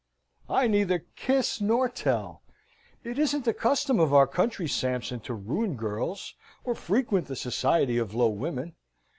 "I neither kiss nor tell. It isn't the custom of our country, Sampson, to ruin girls, or frequent the society of low women.